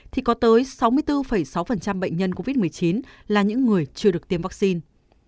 thì có tới sáu mươi bốn sáu bệnh nhân covid một mươi chín là những người chưa được tiêm vaccine